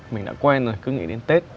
mình đã quen rồi cứ nghĩ đến tết